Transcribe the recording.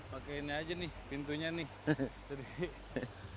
pakai ini aja nih pintunya nih